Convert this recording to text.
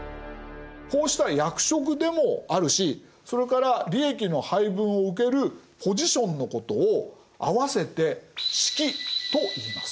こうした役職でもあるしそれから利益の配分を受けるポジションのことを合わせて「職」といいます。